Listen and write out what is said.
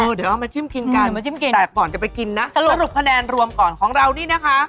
เดี๋ยวเอามาจิ้มกินกันมาจิ้มเก่งแต่ก่อนจะไปกินนะสรุปคะแนนรวมก่อนของเรานี่นะคะ